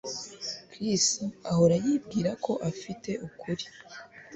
Chris ahora yibwira ko afite ukuri